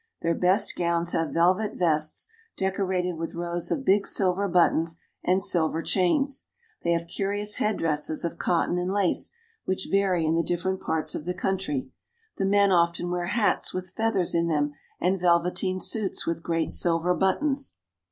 Their best gowns have velvet vests decorated with rows of big silver buttons and silver chains. They have curious headdresses of cotton and lace, which vary in the dif ferent parts of the country. The men often wear hats with feathers in them and velveteen suits with great silver buttons.